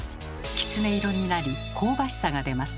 きつね色になり香ばしさが出ます。